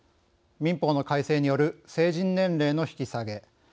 民法の改正による成人年齢の引き下げ。